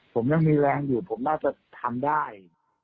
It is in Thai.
ผมยังมีแรงอยู่ผมน่าจะทำได้